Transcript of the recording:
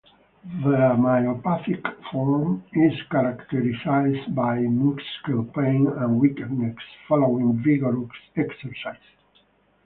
The myopathic form is characterized by muscle pain and weakness following vigorous exercise.